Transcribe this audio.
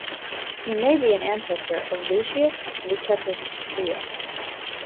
He may be an ancestor of Lucius Lucretius Trio.